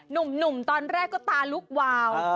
หนุ่มตอนแรกก็ตาลุกวาว